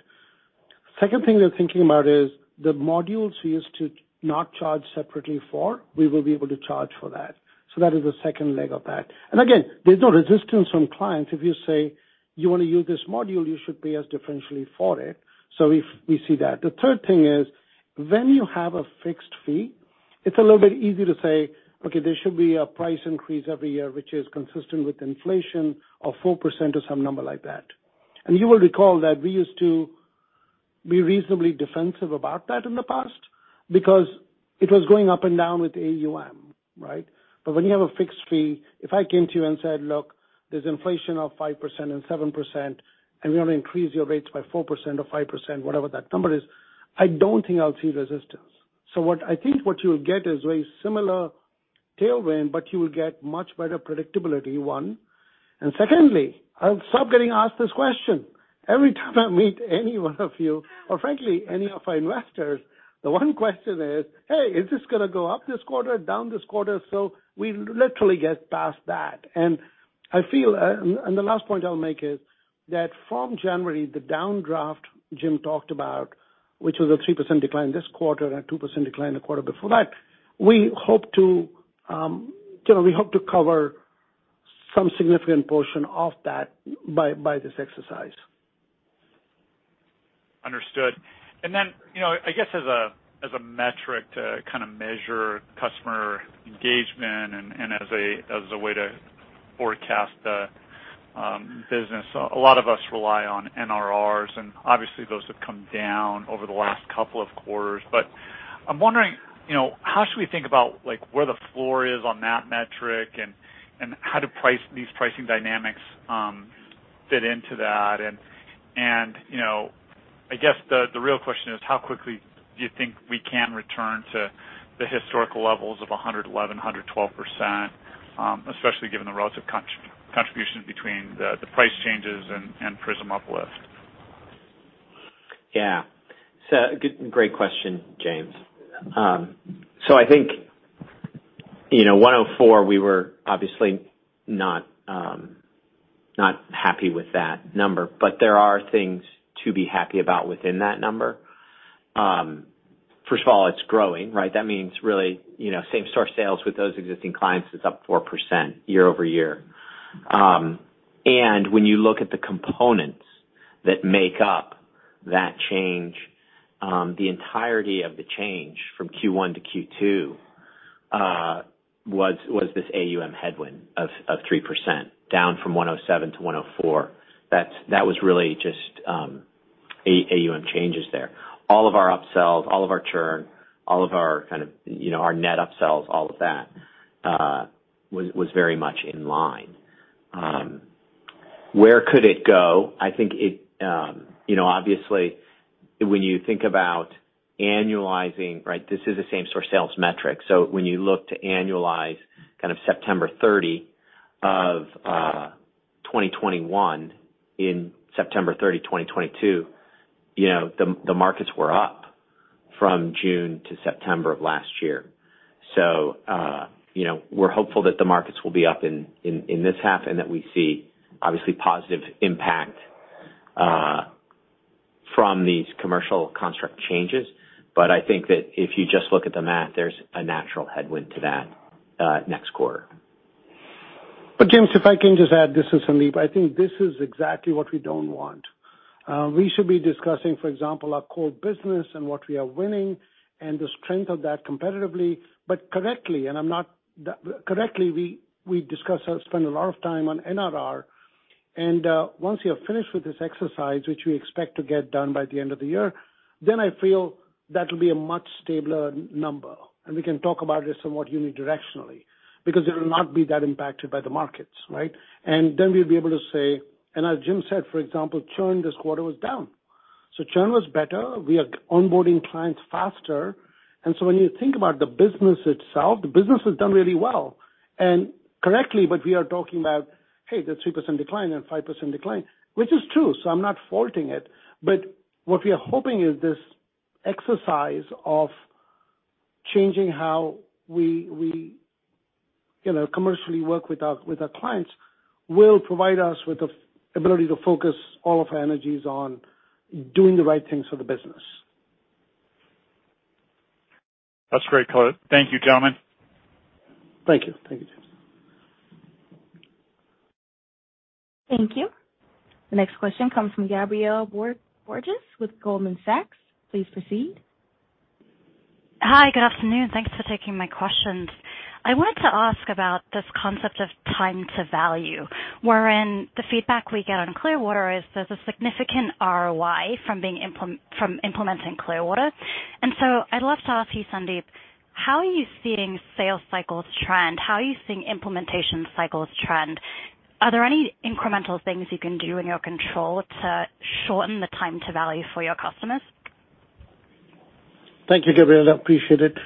[SPEAKER 3] Second thing we're thinking about is the modules we used to not charge separately for, we will be able to charge for that. That is the second leg of that. Again, there's no resistance from clients. If you say, you want to use this module, you should pay us differentially for it if we see that. The third thing is, when you have a fixed fee, it's a little bit easy to say, okay, there should be a price increase every year, which is consistent with inflation of 4% or some number like that. You will recall that we used to be reasonably defensive about that in the past because it was going up and down with AUM, right? When you have a fixed fee, if I came to you and said, "Look, there's inflation of 5% and 7%, and we want to increase your rates by 4% or 5%," whatever that number is, I don't think I'll see resistance. What I think you'll get is very similar tailwind, but you will get much better predictability, one. Secondly, I'll stop getting asked this question. Every time I meet any one of you or frankly any of our investors, the one question is, "Hey, is this going to go up this quarter, down this quarter?" We literally get past that. The last point I'll make is that from January, the downdraft Jim talked about, which was a 3% decline this quarter and a 2% decline the quarter before that, we hope to cover some significant portion of that by this exercise.
[SPEAKER 10] Understood. I guess as a metric to measure customer engagement and as a way to forecast the business, a lot of us rely on NRRs, and obviously those have come down over the last couple of quarters. I'm wondering, how should we think about like where the floor is on that metric and how these pricing dynamics fit into that? I guess the real question is how quickly do you think we can return to the historical levels of 111%-112%, especially given the relative contribution between the price changes and Prism uplift?
[SPEAKER 4] Great question, James. I think, 104%, we were obviously not happy with that number, but there are things to be happy about within that number. First of all, it's growing, right? That means really, same store sales with those existing clients is up 4% year-over-year. When you look at the components that make up that change, the entirety of the change from Q1 to Q2 was this AUM headwind of 3% down from 107%-104%. That was really just AUM changes there. All of our upsells, all of our churn, all of our our net upsells, all of that was very much in line. Where could it go? I think it, obviously when you think about annualizing. This is a same store sales metric. When you look to annualize September 30th, 2021 in September 30th, 2022, the markets were up from June to September of last year. We're hopeful that the markets will be up in this half, and that we see obviously positive impact from these commercial contract changes. I think that if you just look at the math, there's a natural headwind to that next quarter.
[SPEAKER 3] James, if I can just add, this is Sandeep. I think this is exactly what we don't want. We should be discussing, for example, our core business and what we are winning and the strength of that competitively but correctly. Correctly, we discuss and spend a lot of time on NRR. Once you're finished with this exercise, which we expect to get done by the end of the year, then I feel that'll be a much stabler number, and we can talk about it somewhat unidirectionally because it'll not be that impacted by the markets. We'll be able to say as Jim said, for example, churn this quarter was down. Churn was better. We are onboarding clients faster. When you think about the business itself, the business has done really well. Correctly, but we are talking about, hey, the 3% decline and 5% decline, which is true, so I'm not faulting it. What we are hoping is this exercise of changing how we commercially work with our clients will provide us with the ability to focus all of our energies on doing the right things for the business.
[SPEAKER 10] That's great. Thank you, gentlemen.
[SPEAKER 3] Thank you, James.
[SPEAKER 1] Thank you. The next question comes from Gabriela Borges with Goldman Sachs. Please proceed.
[SPEAKER 11] Hi. Good afternoon. Thanks for taking my questions. I wanted to ask about this concept of time to value, wherein the feedback we get on Clearwater is there's a significant ROI from being from implementing Clearwater. I'd love to ask you, Sandeep, how are you seeing sales cycles trend? How are you seeing implementation cycles trend? Are there any incremental things you can do in your control to shorten the time to value for your customers?
[SPEAKER 3] Thank you, Gabriela. I appreciate it.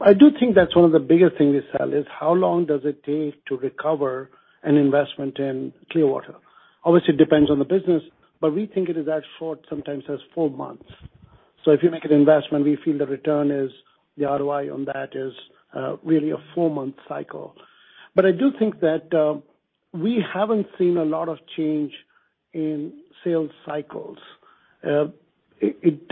[SPEAKER 3] I do think that's one of the biggest things we sell is how long does it take to recover an investment in Clearwater. Obviously depends on the business, but we think it is as short, sometimes as four months. If you make an investment, we feel the return is the ROI on that is really a four-month cycle. I do think that we haven't seen a lot of change in sales cycles. It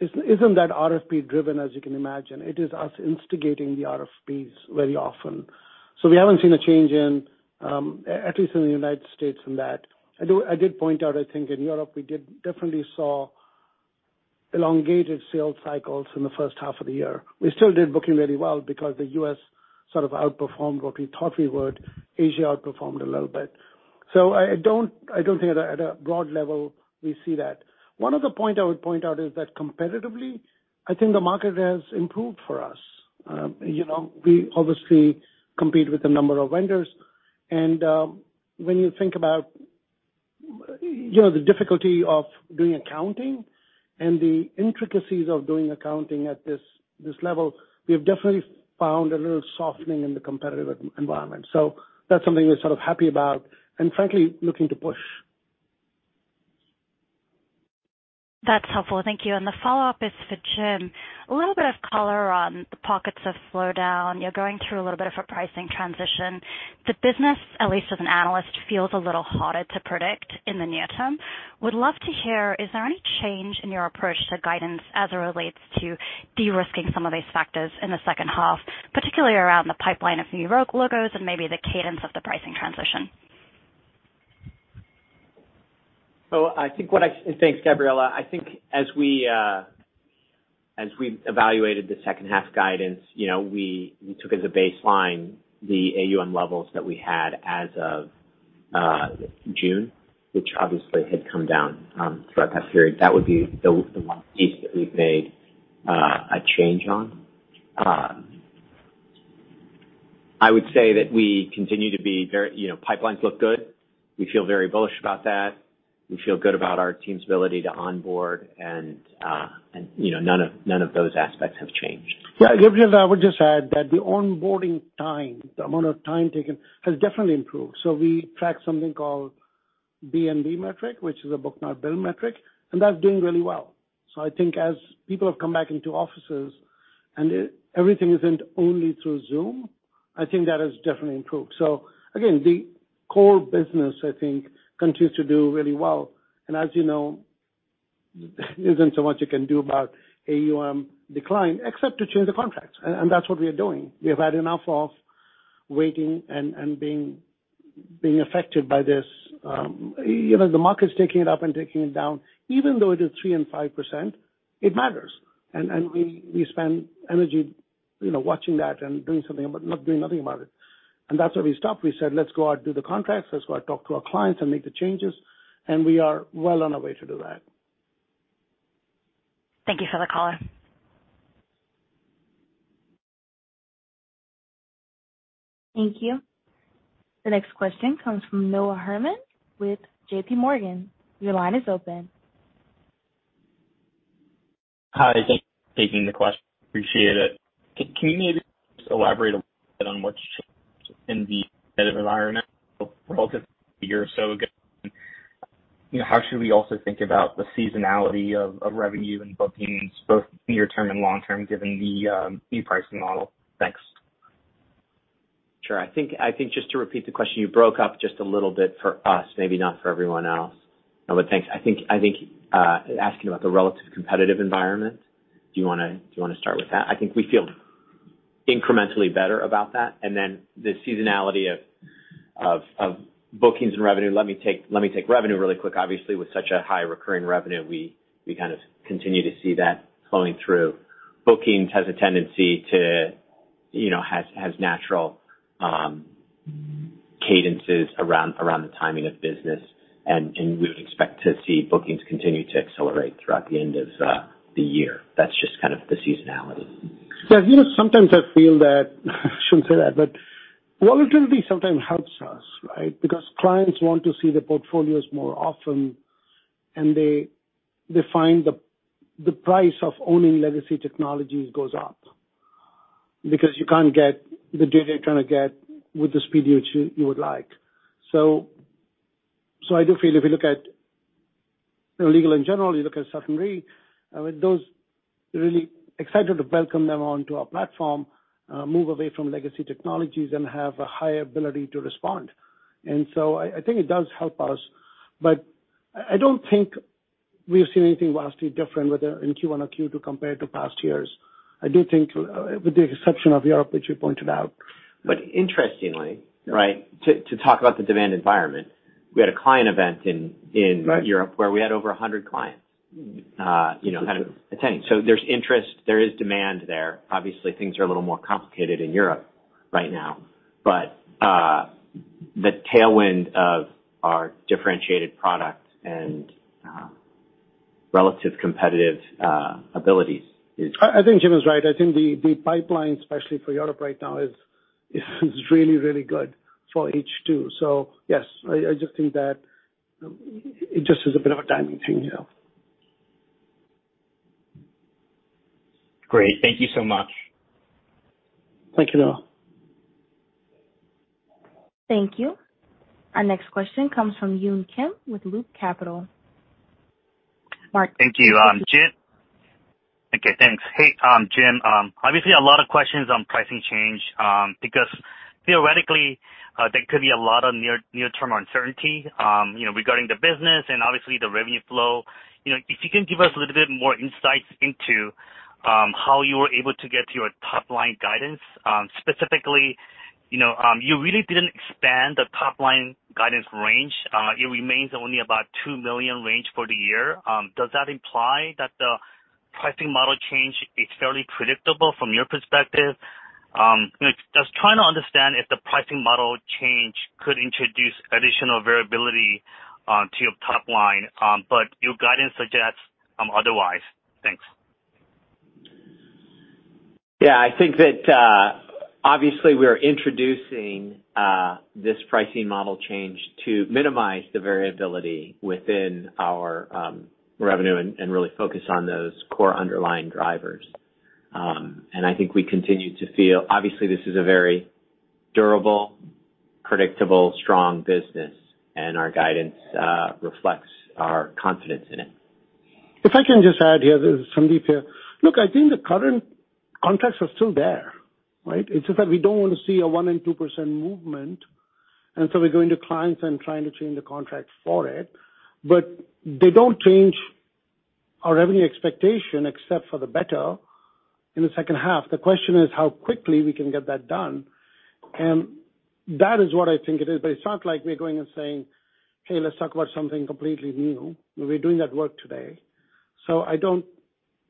[SPEAKER 3] isn't that RFP-driven, as you can imagine. It is us instigating the RFPs very often. We haven't seen a change in at least in the United States, from that. I did point out, I think in Europe, we definitely saw elongated sales cycles in the first half of the year. We still did booking very well because the US outperformed what we thought we would. Asia outperformed a little bit. I don't think at a broad level we see that. One other point I would point out is that competitively, I think the market has improved for us. We obviously compete with a number of vendors and, when you think about the difficulty of doing accounting and the intricacies of doing accounting at this level, we have definitely found a little softening in the competitive environment. That's something we're happy about and frankly looking to push.
[SPEAKER 11] That's helpful. Thank you. The follow-up is for Jim. A little bit of color on the pockets of slowdown. You're going through a little bit of a pricing transition. The business, at least as an analyst, feels a little harder to predict in the near-term. Would love to hear, is there any change in your approach to guidance as it relates to de-risking some of these factors in the second half, particularly around the pipeline of new logos and maybe the cadence of the pricing transition?
[SPEAKER 4] Thanks, Gabriela. I think as we evaluated the second half guidance, we took as a baseline the AUM levels that we had as of June, which obviously had come down throughout that period. That would be the one piece that we've made a change on. I would say that we continue to be very pipelines look good. We feel very bullish about that. We feel good about our team's ability to onboard and none of those aspects have changed.
[SPEAKER 3] Yes, Gabriela, I would just add that the onboarding time, the amount of time taken has definitely improved. We track something called BNB metric, which is a book-not-bill metric, and that's doing really well. I think as people have come back into offices and everything isn't only through Zoom, I think that has definitely improved. Again, the core business continues to do really well. As there isn't so much you can do about AUM decline except to change the contracts. That's what we are doing. We have had enough of waiting and being affected by this. The market's taking it up and taking it down. Even though it is 3% and 5%, it matters. We spend energy, watching that and doing something, but not doing nothing about it. That's where we stopped. We said, "Let's go out, do the contracts. Let's go out, talk to our clients and make the changes." We are well on our way to do that.
[SPEAKER 11] Thank you for the color.
[SPEAKER 1] Thank you. The next question comes from Noah Herman with JPMorgan. Your line is open.
[SPEAKER 12] Hi. Thanks for taking the question. Appreciate it. Can you maybe just elaborate a bit on what's in the environment relative to a year or so ago? How should we also think about the seasonality of revenue and bookings both near-term and long-term, given the new pricing model? Thanks.
[SPEAKER 4] Sure. I think just to repeat the question, you broke up just a little bit for us, maybe not for everyone else, but thanks. I think asking about the relative competitive environment, do you want to start with that? I think we feel incrementally better about that. The seasonality of bookings and revenue, let me take revenue really quick. Obviously, with such a high recurring revenue, we continue to see that flowing through. Bookings has natural cadences around the timing of business, and we would expect to see bookings continue to accelerate throughout the end of the year. That's just the seasonality.
[SPEAKER 3] Yes. Sometimes I feel that I shouldn't say that, but volatility sometimes helps us because clients want to see the portfolios more often, and they find the price of owning legacy technologies goes up because you can't get the data you're trying to get with the speed which you would like. I do feel if you look at Legal & General, you look at Sutton Re, we're really excited to welcome them onto our platform, move away from legacy technologies and have a higher ability to respond. I think it does help us, but I don't think we've seen anything vastly different, whether in Q1 or Q2 compared to past years. I do think with the exception of Europe, which you pointed out.
[SPEAKER 4] Interestingly, to talk about the demand environment, we had a client event in Europe where we had over 100 clients attending. There's interest and there is demand there. Obviously, things are a little more complicated in Europe right now, but the tailwind of our differentiated products and relative competitive abilities is-
[SPEAKER 3] I think Jim is right. I think the pipeline, especially for Europe right now, is really good for Q2. I just think that it just is a bit of a timing thing.
[SPEAKER 4] Great. Thank you so much.
[SPEAKER 3] Thank you, Noah.
[SPEAKER 1] Thank you. Our next question comes from Yun Kim with Loop Capital.
[SPEAKER 13] Thank you, Jim. Thanks. Hey, Jim, obviously a lot of questions on pricing change, because theoretically, there could be a lot of near-term uncertainty, regarding the business and obviously the revenue flow. If you can give us a little bit more insights into how you were able to get to your top line guidance, specifically, you really didn't expand the top line guidance range. It remains only about $2 million range for the year. Does that imply that the pricing model change is fairly predictable from your perspective? Just trying to understand if the pricing model change could introduce additional variability to your top line, but your guidance suggests otherwise. Thanks.
[SPEAKER 4] Yes, I think that obviously we are introducing this pricing model change to minimize the variability within our revenue and really focus on those core underlying drivers. I think we continue to feel obviously this is a very durable, predictable, strong business, and our guidance reflects our confidence in it.
[SPEAKER 3] If I can just add here, this is Sandeep here. Look, I think the current contracts are still there. It's just that we don't want to see a 1% and 2% movement, and so we're going to clients and trying to change the contract for it. They don't change our revenue expectation except for the better in the second half. The question is how quickly we can get that done. That is what I think it is. It's not like we're going and saying, "Hey, let's talk about something completely new." We're doing that work today.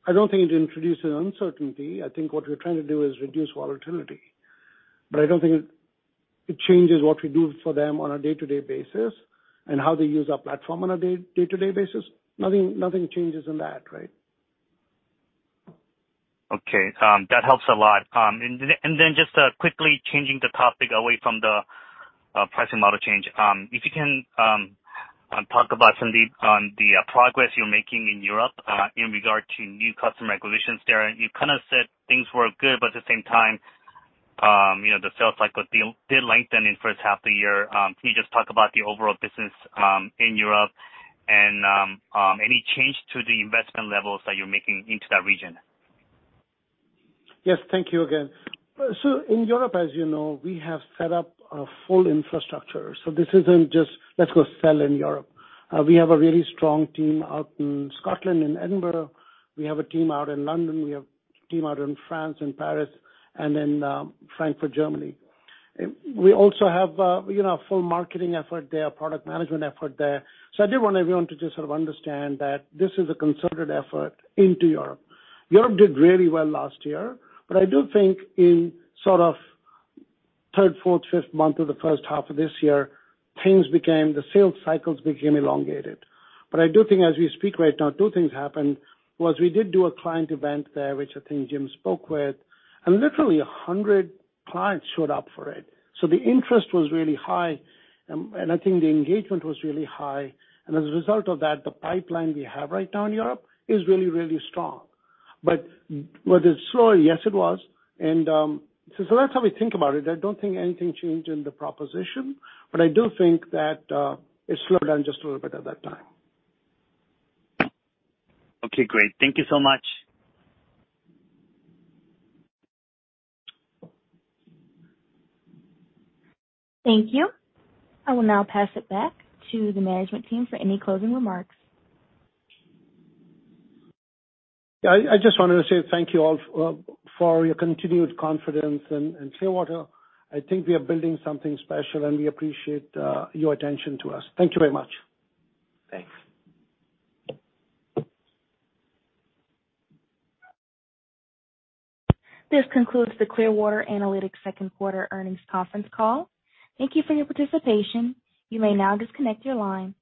[SPEAKER 3] I don't think it introduces uncertainty. I think what we're trying to do is reduce volatility, but I don't think it changes what we do for them on a day-to-day basis and how they use our platform on a day-to-day basis. Nothing changes in that, right?
[SPEAKER 13] Okay. That helps a lot. Just quickly changing the topic away from the pricing model change. If you can talk about some depth on the progress you're making in Europe in regard to new customer acquisitions there. You said things were good, but at the same time, the sales cycle did lengthen in first half of the year. Can you just talk about the overall business in Europe and any change to the investment levels that you're making into that region?
[SPEAKER 3] Yes, thank you again. In Europe, as you know, we have set up a full infrastructure. This isn't just let's go sell in Europe. We have a really strong team out in Scotland and Edinburgh. We have a team out in London. We have a team out in France, in Paris, and then, Frankfurt, Germany. We also have a full marketing effort there, product management effort there. I do want everyone to just understand that this is a concerted effort into Europe. Europe did really well last year, but I do think in third, fourth, and fifth month of the first half of this year, things became the sales cycles became elongated. I do think as we speak right now, two things happened, was we did do a client event there, which I think Jim spoke with, and literally 100 clients showed up for it. The interest was really high, and I think the engagement was really high. As a result of that, the pipeline we have right now in Europe is really, really strong. It's slow. Yes, it was. That's how we think about it. I don't think anything changed in the proposition, but I do think that it slowed down just a little bit at that time.
[SPEAKER 13] Okay, great. Thank you so much.
[SPEAKER 1] Thank you. I will now pass it back to the management team for any closing remarks.
[SPEAKER 3] I just wanted to say thank you all for your continued confidence in Clearwater. I think we are building something special, and we appreciate your attention to us. Thank you very much.
[SPEAKER 4] Thanks.
[SPEAKER 1] This concludes the Clearwater Analytics Q2 earnings conference call. Thank you for your participation. You may now disconnect your line.